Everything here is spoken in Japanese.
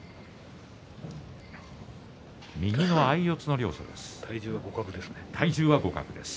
右の相四つの両者です。